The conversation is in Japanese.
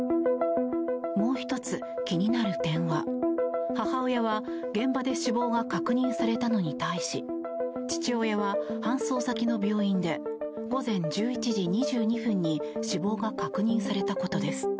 もう１つ気になる点は、母親は現場で死亡が確認されたのに対し父親は搬送先の病院で午前１１時２２分に死亡が確認されたことです。